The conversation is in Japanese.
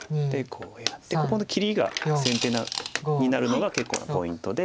ここの切りが先手になるのが結構なポイントで。